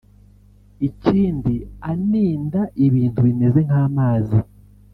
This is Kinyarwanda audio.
Ikindi aninda ibintu bimeze nk’amazi